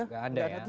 enggak ada ya